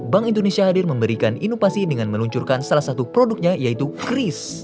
bank indonesia hadir memberikan inovasi dengan meluncurkan salah satu produknya yaitu kris